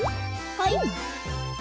はい。